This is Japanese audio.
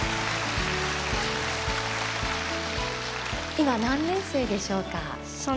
今何年生でしょうか？